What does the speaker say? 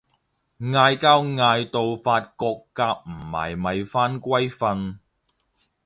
嗌交嗌到發覺夾唔埋咪返歸瞓